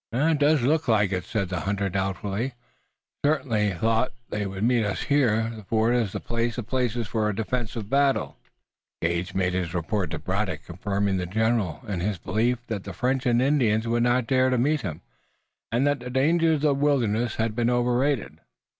"It does look like it," said the hunter doubtfully. "I certainly thought they would meet us here. The ford is the place of places for a defensive battle." Gage made his report to Braddock, confirming the general in his belief that the French and Indians would not dare to meet him, and that the dangers of the wilderness had been overrated.